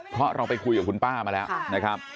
เพราะเราไปคุยกับคุณป้ามาแล้วนะครับ